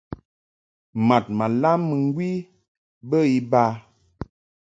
Mad ma lam mɨŋgwi bə iba.